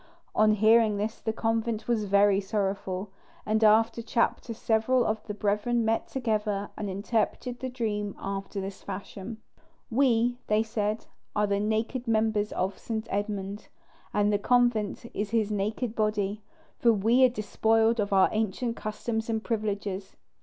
On hearing this the convent was very sorrowful; and after chapter several of the brethren met together, and interpreted the dream after this fashion: "We," said they, "are the naked members of St. Edmund, and the convent is his naked body; for we are despoiled of our ancient customs and privileges.